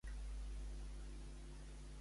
Qui és el dirigent de la Generalitat?